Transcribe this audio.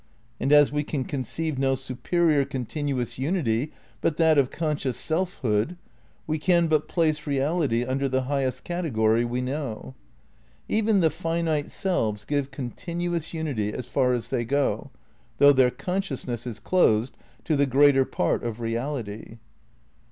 And as we can conceive no superior continuous unity XI RECONSTEUCTION OF IDEALISM 297 but that of conscious selfhood, we can but place reality under the highest category we know. Even the finite selves give continuous unity as far' as they go, though their consciousness is closed to the greater part of reality.